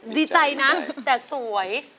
ดีใจนะแต่สวย